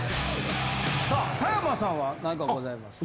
さあ田山さんは何かございますか？